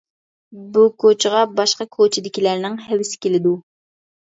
بۇ كوچىغا باشقا كوچىدىكىلەرنىڭ ھەۋىسى كېلىدۇ.